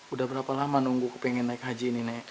udah berapa lama nunggu pengen naik haji ini nek